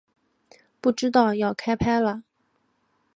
不知道要开拍了